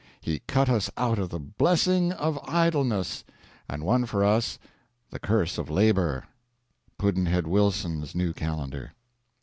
He cut us out of the "blessing of idleness," and won for us the "curse of labor." Pudd'nhead Wilson's New Calendar.